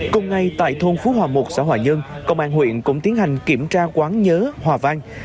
cùng ngày tại thôn phú hòa một xã hòa nhân công an huyện cũng tiến hành kiểm tra quán nhớ hòa vang